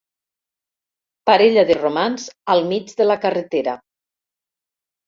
Parella de romans al mig de la carretera.